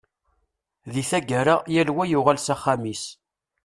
Di taggara, yal wa yuɣal s axxam-is.